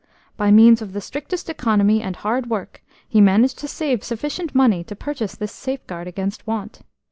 By means of the strictest economy, and hard work, he managed to save sufficient money to purchase this safeguard against want.